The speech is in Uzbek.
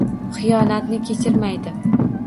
Xiyonatni kechirmaydi.